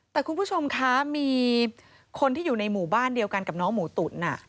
แต่คุณผู้ชมคะมีคนที่อยู่ในหมู่บ้านเดียวกันกับน้องหมูตุ๋น